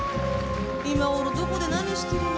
今頃どこで何してるの？